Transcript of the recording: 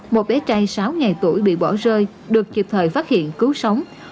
một bé trai sáu ngày tuổi bị bỏ rơi được kịp thời phát hiện cứu sống